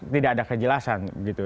tidak ada kejelasan gitu